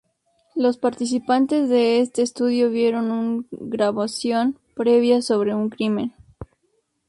Los participantes de este estudio vieron un grabación previa sobre un crimen.